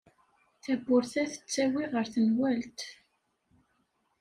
Tawwurt-a tettawi ɣer tenwalt.